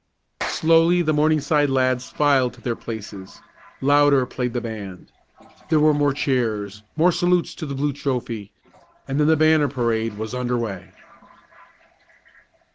Slowly the Morningside lads filed to their places. Louder played the band. There were more cheers, more salutes to the blue trophy, and then the banner parade was under way.